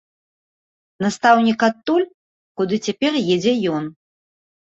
Настаўнік адтуль, куды цяпер едзе ён!